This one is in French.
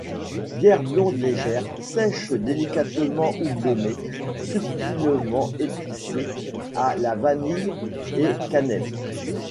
Bière blonde légère, sèche délicatement houblonnée, subtilement épicée à la vanille et cannelle.